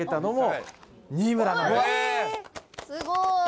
すごい。